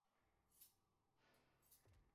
Men seni boqishga majburmanmi.